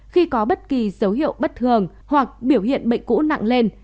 khi có bất kỳ dấu hiệu bất thường hoặc biểu hiện bệnh cũ nặng lên